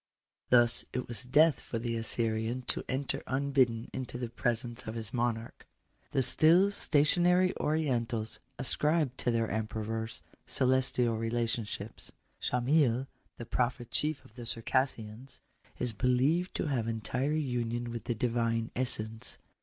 Thus it was death for the Assyrian to enter unbidden into the presenoe of his monarch. The still stationary Orientals ascribe to their emperors celestial relationships. Sohamyl, the prophet chief of the Circassians, is believed to have entire union with the Divine essence.